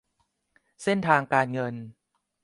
เส้นทางการเงิน